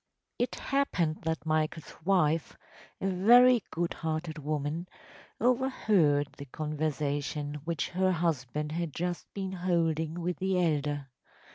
It happened that Michael’s wife, a very good hearted woman, overheard the conversation which her husband had just been holding with the elder.